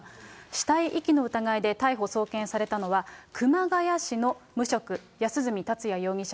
死体遺棄の疑いで逮捕・送検されたのは、熊谷市の無職、安栖達也容疑者